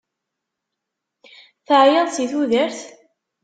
Teεyiḍ si tudert?